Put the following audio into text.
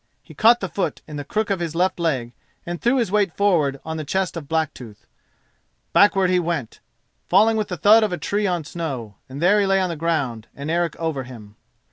He caught the foot in the crook of his left leg, and threw his weight forward on the chest of Blacktooth. Backward he went, falling with the thud of a tree on snow, and there he lay on the ground, and Eric over him.